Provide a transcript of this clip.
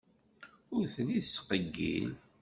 Ur telli tettqeyyil.